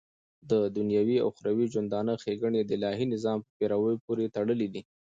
ددنيوي او اخروي ژوندانه ښيګڼي دالهي نظام په پيروۍ پوري تړلي دي